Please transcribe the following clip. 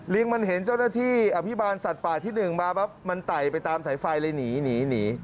มันเห็นเจ้าหน้าที่อภิบาลสัตว์ป่าที่๑มาปั๊บมันไต่ไปตามสายไฟเลยหนีหนี